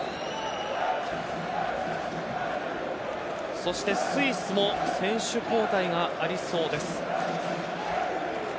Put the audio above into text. そしてスイスも選手交代がありそうです。